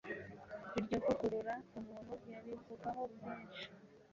Iryo vugurura umuntu yarivugaho byinshi.